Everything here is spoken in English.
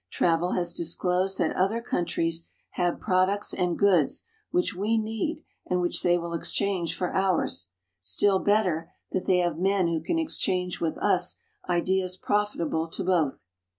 Travel has disclosed that other countries have products and goods which we need and which they will exchange for ours; still better, that they have men who can exchange with us ideas profitable to both.